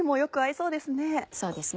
そうですね。